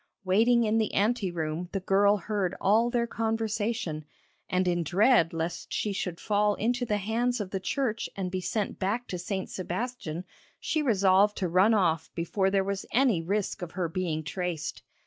Waiting in the ante room, the girl heard all their conversation, and in dread lest she should fall into the hands of the Church and be sent back to St. Sebastian she resolved to run off before there was any risk of her being traced.